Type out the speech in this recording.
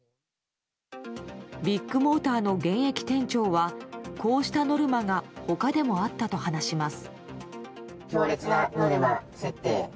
ビッグモーターの現役店長はこうしたノルマが他もであったと話します。